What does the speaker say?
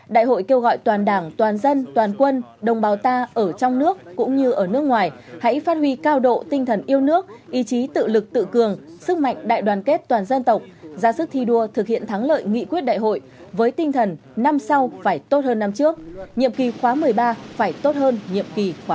đại hội kêu gọi toàn đảng toàn dân toàn quân đồng bào ta ở trong nước cũng như ở nước ngoài hãy phát huy cao độ tinh thần yêu nước ý chí tự lực tự cường sức mạnh đại đoàn kết toàn dân tộc ra sức thi đua thực hiện thắng lợi nghị quyết đại hội với tinh thần năm sau phải tốt hơn năm trước nhiệm kỳ khóa một mươi ba phải tốt hơn nhiệm kỳ hai nghìn hai mươi khóa